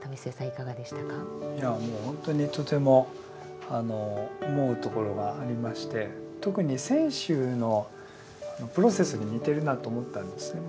いやもうほんとにとても思うところがありまして特に選手のプロセスに似てるなと思ったんですね。